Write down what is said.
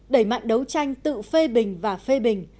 đẩy mạnh đấu tranh tự phê bình và phê bình